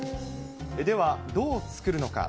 では、どう作るのか。